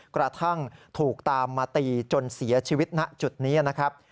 กระทั่งถูกตามมาตีจนเสียชีวิตณจุดนี้นะครับ